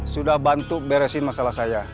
sudah bantu beresin masalah saya